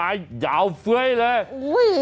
ไม่ให้กลับเลยเลย